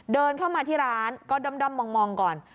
เดินเข้ามาที่ร้านก็ด้อมมองก่อน